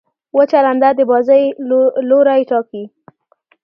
وچه لنده د بازۍ لوری ټاکي.